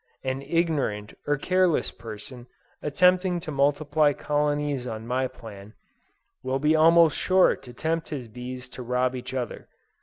An ignorant or careless person attempting to multiply colonies on my plan, will be almost sure to tempt his bees to rob each other.